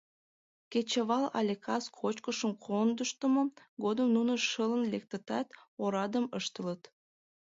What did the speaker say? Кечывал але кас кочкышым кондыштмо годым нуно шылын лектытат, орадым ыштылыт.